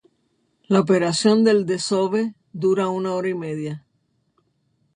La operación del desove dura una hora y media.